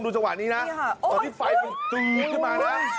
ดูใจวะนี้นะตอนที่ไฟมันจื้อคือมานะ